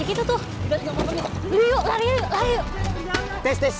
aku tak peduli banget